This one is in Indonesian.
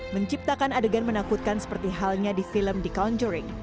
menciptakan adegan menakutkan seperti halnya di film the countering